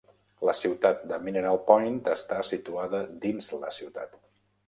La ciutat de Mineral Point està situada dins la ciutat.